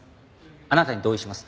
あなたに同意します。